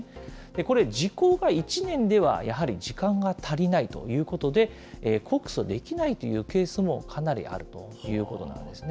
これ、時効が１年ではやはり時間が足りないということで、告訴できないというケースもかなりあるということなんですね。